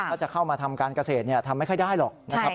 ถ้าจะเข้ามาทำการเกษตรทำไม่ค่อยได้หรอกนะครับ